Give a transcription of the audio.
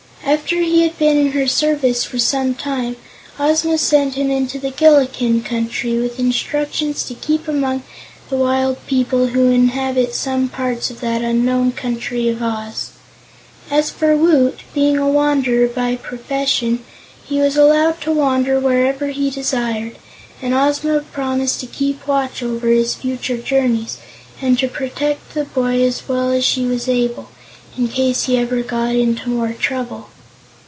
After he had been in her service for some time, Ozma sent him into the Gillikin Country, with instructions to keep order among the wild people who inhabit some parts of that unknown country of Oz. As for Woot, being a Wanderer by profession, he was allowed to wander wherever he desired, and Ozma promised to keep watch over his future journeys and to protect the boy as well as she was able, in case he ever got into more trouble.